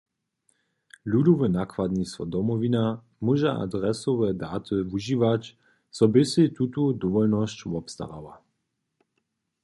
Ludowe nakładnistwo Domowina móže adresowe daty wužiwać, zo by sej tutu dowolnosć wobstarało.